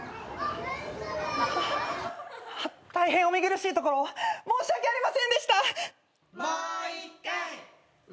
大変お見苦しいところを申し訳ありませんでした！